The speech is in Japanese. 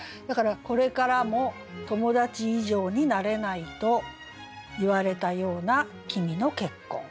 だから「これからも友達以上になれないと言われたような君の結婚」。